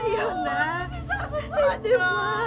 ibu tidakut ibu tidakut pocong